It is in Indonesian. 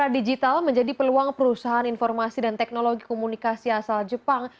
digital menjadi peluang perusahaan informasi dan teknologi komunikasi asal jepang